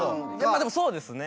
まあでもそうですね。